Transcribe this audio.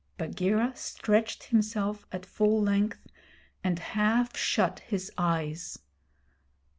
Bagheera stretched himself at full length and half shut his eyes.